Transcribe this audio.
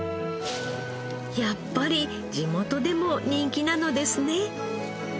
やっぱり地元でも人気なのですね。